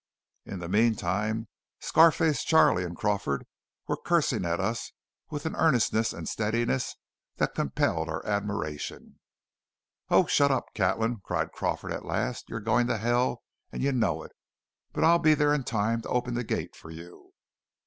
In the meantime Scar face Charley and Crawford were cursing at us with an earnestness and steadiness that compelled our admiration. "Oh, shut up, Catlin!" cried Crawford at last. "You're going to hell, and you know it; but I'll be there in time to open the gate for you."